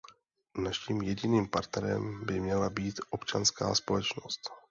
Naším jediným partnerem by měla být občanská společnost.